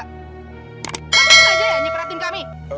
kamu saja yang nyepratin kami